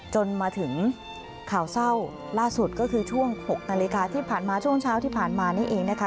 จนมาถึงข่าวเศร้าล่าสุดก็คือช่วง๖นาฬิกาที่ผ่านมาช่วงเช้าที่ผ่านมานี่เองนะคะ